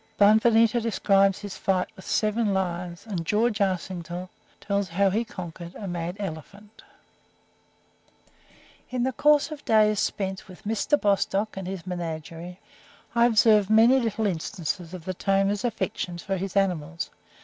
III BONAVITA DESCRIBES HIS FIGHT WITH SEVEN LIONS AND GEORGE ARSTINGSTALL TELLS HOW HE CONQUERED A MAD ELEPHANT IN the course of days spent with Mr. Bostock and his menagerie, I observed many little instances of the tamer's affection for his animals.